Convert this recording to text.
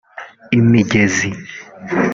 imigezi